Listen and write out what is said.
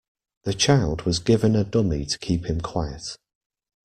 The child was given a dummy to keep him quiet